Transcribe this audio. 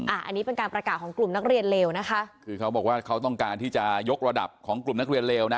อันนี้เป็นการประกาศของกลุ่มนักเรียนเลวนะคะคือเขาบอกว่าเขาต้องการที่จะยกระดับของกลุ่มนักเรียนเลวนะ